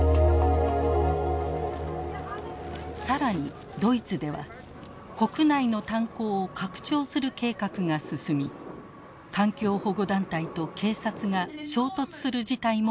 更にドイツでは国内の炭鉱を拡張する計画が進み環境保護団体と警察が衝突する事態も起きています。